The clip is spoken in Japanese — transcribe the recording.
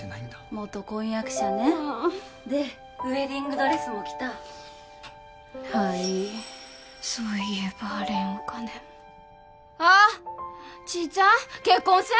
元婚約者ねあーっでウエディングドレスも来たはいいそういえばあれんお金もあっちーちゃん結婚せん？